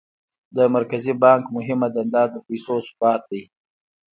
د مرکزي بانک مهمه دنده د پیسو ثبات دی.